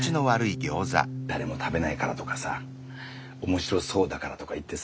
誰も食べないからとかさ面白そうだからとか言ってさ。